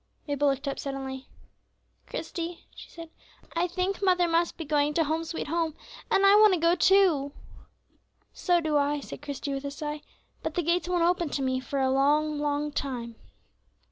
Mabel looked up suddenly. "Christie," she said, "I think mother must be going to 'Home, sweet Home,' and I want to go too." "So do I," said Christie, with a sigh, "but the gates won't open to me for a long, long time."